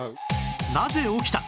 なぜ起きた？